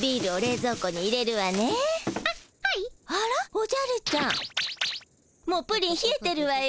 おじゃるちゃんもうプリンひえてるわよ。